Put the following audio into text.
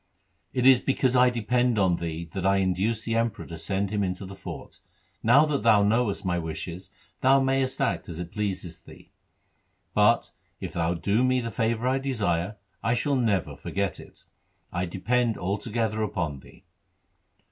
It is because I depend on thee that I induced the Emperor to send him into the fort. Now that thou knowest my wishes, thou mayest act as it pleaseth thee, but, if thou do me the favour I desire, I shall never forget it. I depend altogether upon thee.'